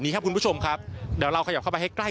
ครับคุณผู้ชมครับเดี๋ยวเราขยับเข้าไปให้ใกล้